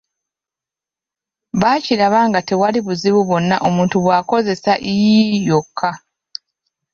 Baakiraba nga tewali buzibu bwonna omuntu bw’akozesa ‘l’ yokka.